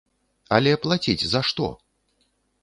Але плаціць за што?